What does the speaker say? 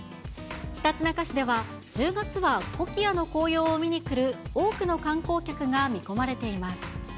ひたちなか市では、１０月はコキアの紅葉を見に来る多くの観光客が見込まれています。